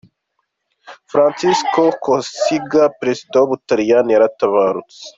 Francesco Cossiga, perezida wa w’ubutaliyani yaratabarutse.